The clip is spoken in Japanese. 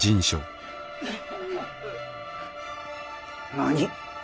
何？